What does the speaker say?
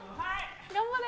頑張れ。